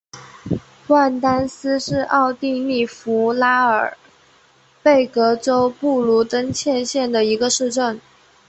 万丹斯是奥地利福拉尔贝格州布卢登茨县的一个市镇。